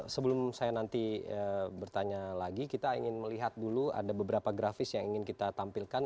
sebelum saya nanti bertanya lagi kita ingin melihat dulu ada beberapa grafis yang ingin kita tampilkan